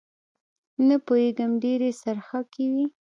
نه پوېېږم ډېرې څرخکې وې.